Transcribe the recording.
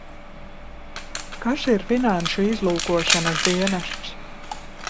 Kas ir finanšu izlūkošanas dienests?